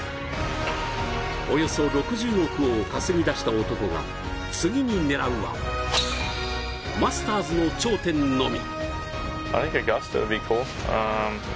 およそ６０億を稼ぎ出した男が次に狙うはマスターズの頂点のみ。